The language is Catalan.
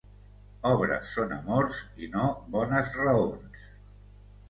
Obres són amors i no bones raons.